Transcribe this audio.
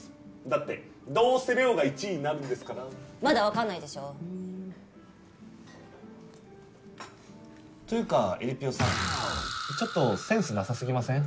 だってどうせれおが１位なんですからまだ分かんないでしょふんというかえりぴよさんちょっとセンスなさすぎません？